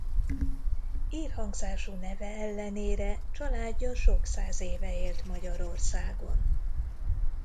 Ír hangzású neve ellenére családja sok száz éve élt Magyarországon.